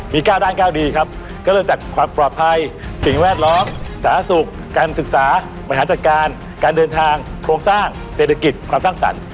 มี๙ด้าน๙ดีครับก็เริ่มจากความปลอดภัยสิ่งแวดล้อมสาธารณสุขการศึกษาบริหารจัดการการเดินทางโครงสร้างเศรษฐกิจความสร้างสรรค์